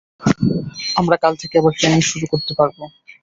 আমরা কাল থেকে আবার ট্রেনিং শুরু করতে পারব।